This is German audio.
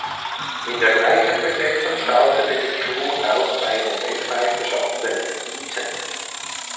In der gleichen Besetzung startete die Crew auch bei den Weltmeisterschaften in Eton.